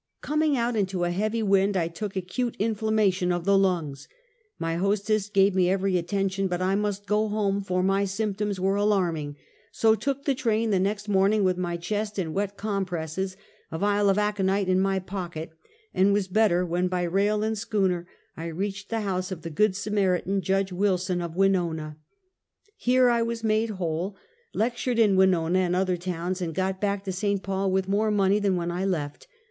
Coming out into a heavy wind, I took acute inflammation of the lungs. My hostess gave me every attention; but I must go go home for my symptoms were alarming, so took the train the next morning, with my chest in wet com presses, a viol of aconite in my pocket, and was better when by rail and schooner I reached the house of the good Samaritan, Judge Wilson, of Winona. Here I was made whole, lectured in Winona and other towns, and got back to St. Paul with more money than when I left.